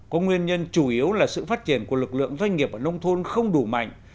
có nguyên nhân chủ yếu là sự phát triển của lực lượng doanh nghiệp ở nông thôn không đủ mạnh